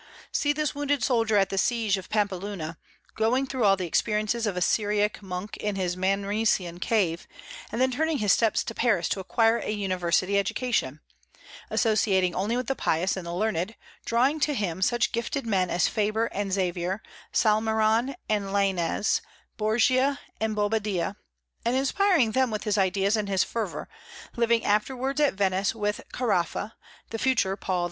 See this wounded soldier at the siege of Pampeluna, going through all the experiences of a Syriac monk in his Manresan cave, and then turning his steps to Paris to acquire a university education; associating only with the pious and the learned, drawing to him such gifted men as Faber and Xavier, Salmeron and Lainez, Borgia and Bobadilla, and inspiring them with his ideas and his fervor; living afterwards, at Venice, with Caraffa (the future Paul IV.)